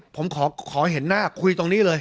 ผมขอเห็นหน้าคุยตรงนี้เลย